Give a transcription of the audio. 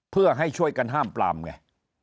เพื่อให้ช่วยกันห้ามปลามไง